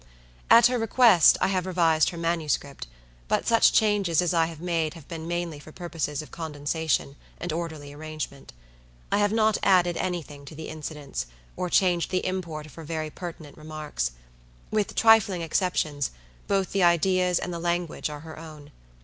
At her request, I have revised her manuscript; but such changes as I have made have been mainly for purposes of condensation and orderly arrangement. I have not added any thing to the incidents, or changed the import of her very pertinent remarks. With trifling exceptions, both the ideas and the language are her own.